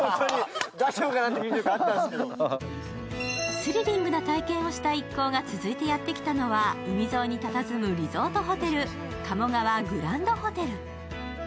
スリリングな体験をした一行が続いてやってきたのは、海沿いにたたずむリゾートホテル鴨川グランドホテル。